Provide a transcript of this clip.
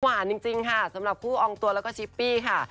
จริงค่ะสำหรับคู่อองตัวแล้วก็ชิปปี้ค่ะ